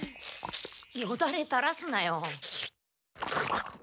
よだれたらすなよ。